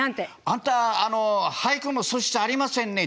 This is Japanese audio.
「あんた俳句の素質ありませんね」